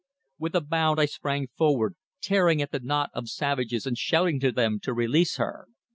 With a bound I sprang forward, tearing at the knot of savages and shouting to them to release her.